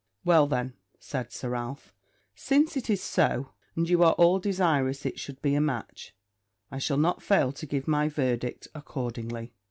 'Well, then,' said Sir Ralph, 'since it is so, and you are all desirous it should be a match, I shall not fail to give my verdict accordingly.'